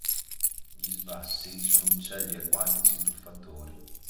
Gli svassi sono uccelli acquatici tuffatori.